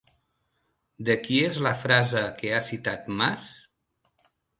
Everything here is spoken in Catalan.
De qui és la frase que ha citat Mas?